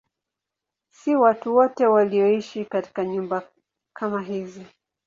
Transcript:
Si watu wote walioishi katika nyumba kama hizi.